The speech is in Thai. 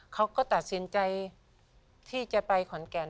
เขาก็ตัดสินใจที่จะไปขอนแก่น